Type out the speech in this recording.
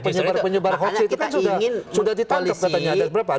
penyebar penyebar hoax itu kan sudah ditarik katanya ada berapa